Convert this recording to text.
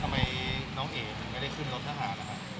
ทำไมน้องเอ๋ถึงไม่ได้ขึ้นรถทหารล่ะครับ